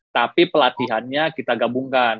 tapi pelatihannya kita gabungkan